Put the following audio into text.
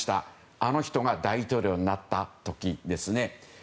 あの人が大統領になった時ですね。